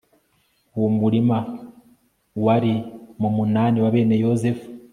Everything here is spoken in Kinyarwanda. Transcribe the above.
uwo murima wari mu munani wa bene yozefu